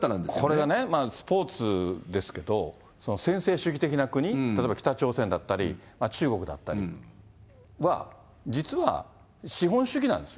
これがね、スポーツですけど、専制主義的な国、例えば北朝鮮だったり、中国だったりは、実は資本主義なんです。